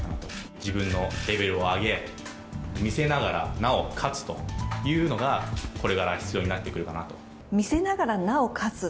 自分のレベルを上げ、魅せながらなお勝つというのが、これから必要になってくるかなと。